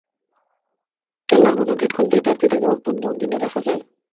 কেল্লার মত গেট খুলতেই তার পিতাকে অত্যন্ত উদ্বিগ্ন দেখা যায়।